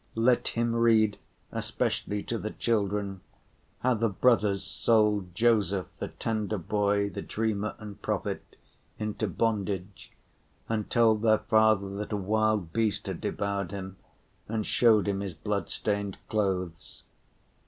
Let him read, especially to the children, how the brothers sold Joseph, the tender boy, the dreamer and prophet, into bondage, and told their father that a wild beast had devoured him, and showed him his blood‐ stained clothes.